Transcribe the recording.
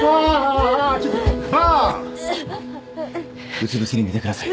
うつ伏せに寝てください